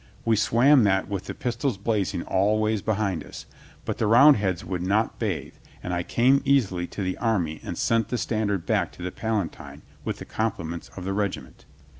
We swam that with the pistols blazing all ways behind us, but the Roundheads would not bathe, and I came easily to the army and sent the standard back to the Palatine with the compliments of the regiment."